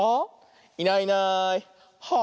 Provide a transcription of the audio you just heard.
「いないいないはあ？」。